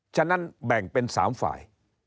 ฉะนั้นแบ่งเป็น๓ฝ่าย